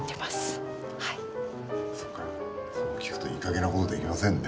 そっかそう聞くといいかげんなことできませんね。